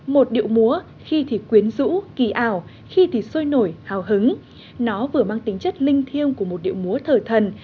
một điệu múa khi thì quyến rũ kỳ ảo khi thì sôi nổi hào hứng nó vừa mang tính chất linh thiêng của một điệu múa thờ thần